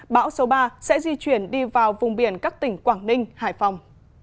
bão số ba sẽ di chuyển đi vào vùng biển các tỉnh quảng ninh hải phòng